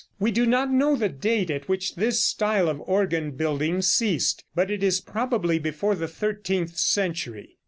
We do not know the date at which this style of organ building ceased, but it is probably before the thirteenth century.